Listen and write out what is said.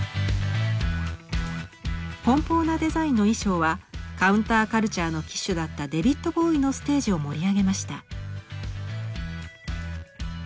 奔放なデザインの衣装はカウンター・カルチャーの旗手だったデヴィッド・ボウイのステージを盛り上げました。